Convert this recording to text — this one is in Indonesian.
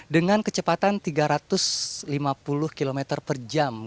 dengan kecepatan tiga ratus lima puluh km per jam